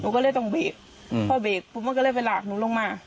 ก็เลยต้องเบกพอเบกก็เลยไปหลากหนูลงมา